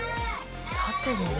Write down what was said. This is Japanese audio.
縦にね。